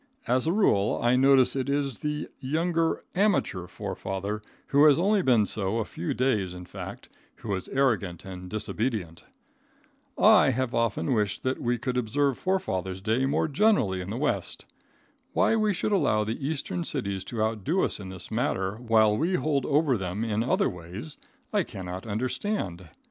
As a rule, I notice it is the young amateur forefather who has only been so a few days, in fact, who is arrogant and disobedient. I have often wished that we could observe Forefathers' day more generally in the West. Why we should allow the Eastern cities to outdo us in this matter while we hold over them in other ways, I cannot understand.